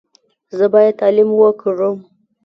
زه باید تعلیم وکړم.